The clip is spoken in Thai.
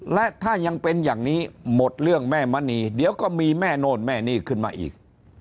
และถ้ายังเป็นอย่างนี้หมดเรื่องแม่มณีเดี๋ยวก็มีแม่โน่นแม่นี่ขึ้นมาอีก